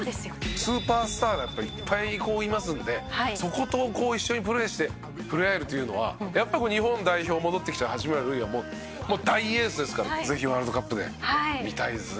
スーパースターがいっぱいいますのでそこと一緒にプレーして触れ合えるというのはやっぱ日本代表戻ってきたら八村塁はもう大エースですからぜひワールドカップで見たいですね。